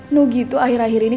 nugi tuh akhir akhir ini